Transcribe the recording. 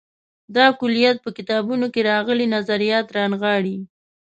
دا کُلیت په کتابونو کې راغلي نظریات رانغاړي.